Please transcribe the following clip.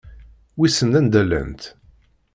Wissen anda llant.